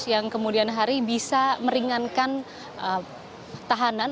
yang kemudian hari bisa meringankan tahanan